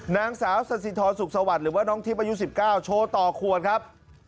นางสาวสสิทรสุขสวัสดิ์หรือว่าน้องทิพย์อายุ๑๙โชว์ต่อขวดครับ